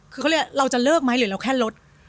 ก็เรียกว่าเราจะเลิกไหมหรือแค่ลด